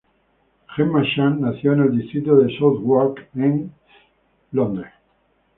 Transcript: Gemma Chan nació en el distrito de Southwark, en Londres.